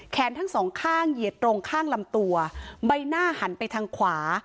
ทั้งสองข้างเหยียดตรงข้างลำตัวใบหน้าหันไปทางขวา